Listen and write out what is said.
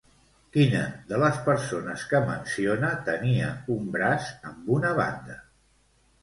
Quina de les persones que menciona tenia un braç amb una banda?